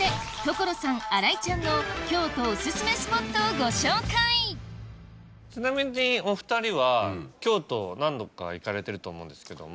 ここでをご紹介ちなみにお２人は京都何度か行かれてると思うんですけども。